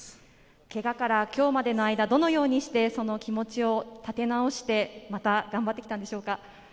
けがから今日までの間、どのようにして気持ちを立て直して、また頑張ってきたんでしょうか？